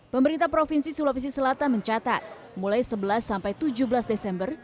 pemerintah provinsi sulawesi selatan mencatat mulai sebelas sampai tujuh belas desember